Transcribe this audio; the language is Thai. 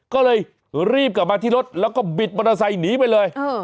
ก็เลยรีบกลับมาที่รถแล้วก็บิดมอเตอร์ไซค์หนีไปเลย